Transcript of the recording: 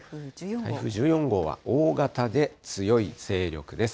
台風１４号は大型で強い勢力です。